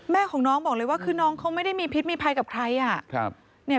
แม่ของน้องบอกเลยว่าคือน้องเขาไม่ได้มีพิษมีภัยกับใครอ่ะครับ